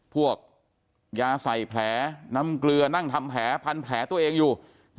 พวกยาใส่แผลน้ำเกลือนั่งทำแผลพันแผลตัวเองอยู่